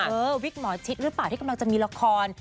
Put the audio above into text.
วิกหมอชิดหรือเปล่าที่กำลังจะมีละคร